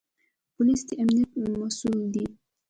پولیس د امنیت مسوول دی